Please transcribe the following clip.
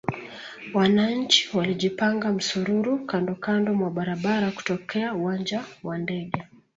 Wananchi walijipanga msururu kandokando mwa barabara kutokea uwanja wa ndege